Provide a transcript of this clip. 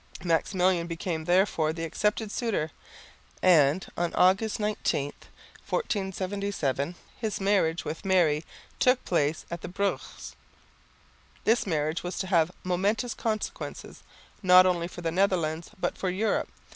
Maximilian became therefore the accepted suitor; and on August 19, 1477, his marriage with Mary took place at Bruges. This marriage was to have momentous consequences, not only for the Netherlands, but for Europe.